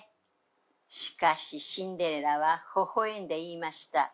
しかしシンデレラはほほえんで言いました。